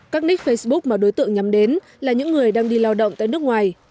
các nick facebook mà đối tượng nhắm đến là những người đang đi lao động tại nước ngoài